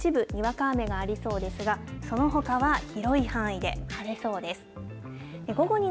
一部にわか雨がありそうですがその他は広い範囲で晴れそうです。